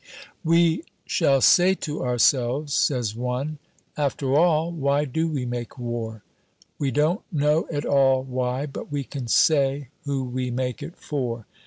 "We shall say to ourselves," says one, "'After all, why do we make war?' We don't know at all why, but we can say who we make it for.